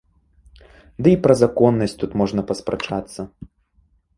Дый пра законнасць тут можна паспрачацца.